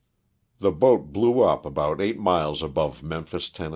The boat blew up about eight miles above Memphis, Tenn.